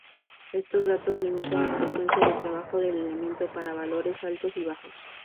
Estos Datos limitan la frecuencia de trabajo del elemento para valores altos y bajos.